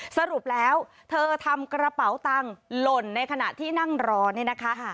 สรุปแล้วเธอทำกระเป๋าตังค์หล่นในขณะที่นั่งรอนี่นะคะ